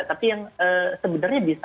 tapi yang sebenarnya bisa